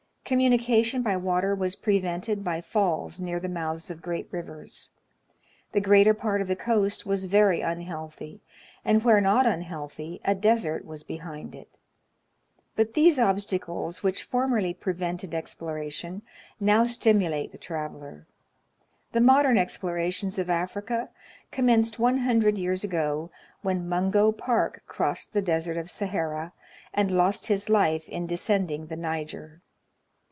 Communication by water was prevented by falls near the mouths of great rivers. The greater part of the coast was very unhealthy, and, where not unhealthy, a desert was behind it ; but these obstacles, which formerly prevented exploration, now stimulate the traveler. The modern explorations of Africa commenced one hundred years ago, when Mungo Park crossed the Desert of Sahara, and lost his life in descending the Niger.